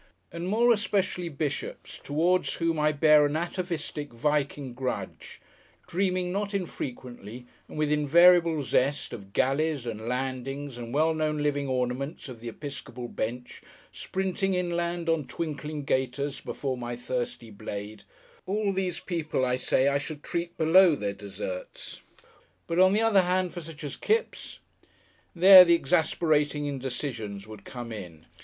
And more especially bishops, towards whom I bear an atavistic, Viking grudge, dreaming not infrequently and with invariable zest of galleys and landings and well known living ornaments of the episcopal bench sprinting inland on twinkling gaiters before my thirsty blade all these people, I say, should treat below their deserts, but, on the other hand, for such as Kipps . There the exasperating indecisions would come in.